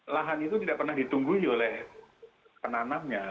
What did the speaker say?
lahan itu tidak pernah ditunggui oleh penanamnya